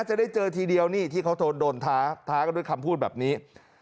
จะได้เจอทีเดียวนี่ที่เขาโดนท้าท้ากันด้วยคำพูดแบบนี้